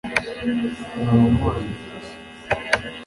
ni abanywanyi